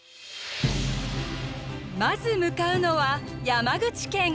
まず向かうのは山口県。